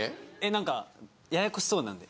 なんかややこしそうなんで。